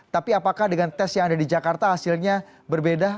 tapi apakah dengan tes yang ada di jakarta hasilnya berbeda